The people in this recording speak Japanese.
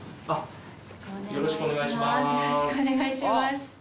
よろしくお願いします。